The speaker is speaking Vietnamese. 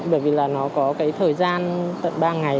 bởi vì nó có thời gian tận ba ngày